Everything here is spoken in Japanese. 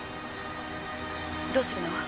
どうするの？